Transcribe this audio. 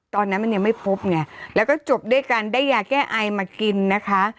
ตอนนั้นมันยังไม่พบไงแล้วก็จบด้วยการได้ยาแก้ไอมากินนะคะ